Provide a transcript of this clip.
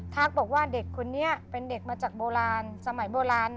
บอกว่าเด็กคนนี้เป็นเด็กมาจากโบราณสมัยโบราณ